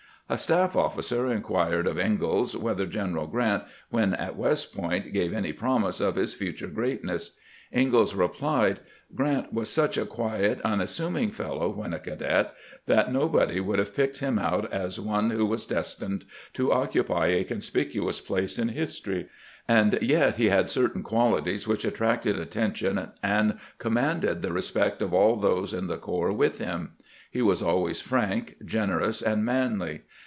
A staff ofS.cer inquired of Ingalls whether General Grant, when at West Point, gave any promise of his future greatness. IngaUs replied :" Grant was such a quiet, unassuming fellow when a cadet that nobody would have picked him out as one who was destined to occupy a conspicuous place in history ; and yet he had certain qualities which attracted attention and com manded the respect of all those in the corps with him. He was always frank, generous, and manly.